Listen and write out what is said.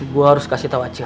gue harus kasih tau acil